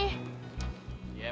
kamu tuh ber ch